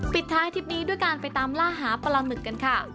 ปิดท้ายทริปนี้ด้วยการไปตามล่าหาปลาหมึกกันค่ะ